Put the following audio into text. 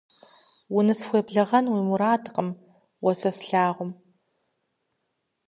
Унысхуеблэгъэн уи мурадкъым уэ сэ слъагъум.